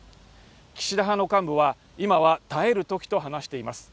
岸田派の幹部は今は耐える時と話しています